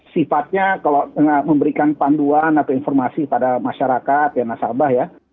sifatnya kalau memberikan panduan atau informasi pada masyarakat ya nasabah ya